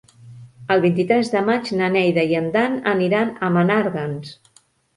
El vint-i-tres de maig na Neida i en Dan aniran a Menàrguens.